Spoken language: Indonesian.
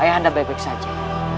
ayah anda baik baik saja